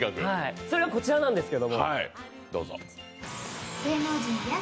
それがこちらなんですけど。